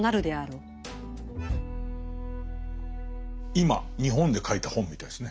今日本で書いた本みたいですね。